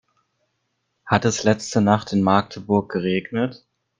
Hat es letzte Nacht in Magdeburg geregnet?